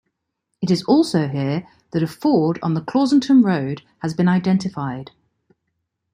It is also here that a ford on the Clausentum road has been identified.